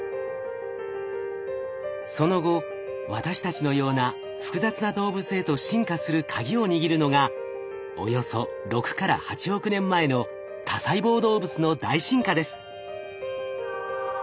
その後私たちのような複雑な動物へと進化するカギを握るのがおよそ６から８億年前の多細胞動物の大進化です。